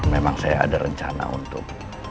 memang saya ada rencana untuk